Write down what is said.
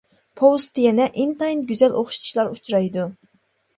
پوۋېستتا يەنە ئىنتايىن گۈزەل ئوخشىتىشلار ئۇچرايدۇ.